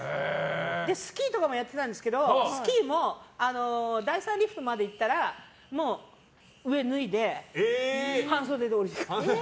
で、スキーとかもやってたんですけど、スキーも第３リフトまで行ったら上を脱いで、半袖で下りてくる。